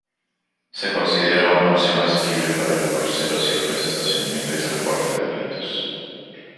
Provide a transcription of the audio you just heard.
Se considera una opción asequible para los cruceros, y ofrece estacionamiento y transporte gratuitos.